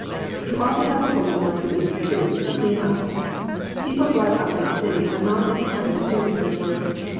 You ought to have a woman once a week, too, to clean up. People brought up in a city are not in the habit of doing such work.